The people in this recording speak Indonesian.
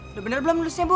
udah bener belum nulisnya bu